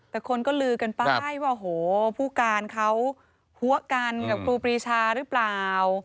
แต่คนก็ลือกันไปว่าโหผู้การเขาหัวกันกับครูปรีชาหรือเปล่า